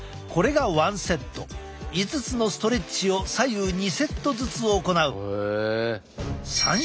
５つのストレッチを左右２セットずつ行う。